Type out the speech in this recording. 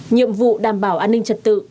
nhiệm vụ đảm bảo an ninh trật tự